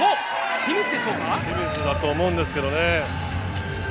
清水だと思うんですけどね。